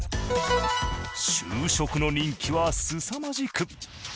就職の人気はすさまじく。